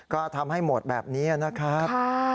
ก็ทำให้หมดแบบนี้นะครับ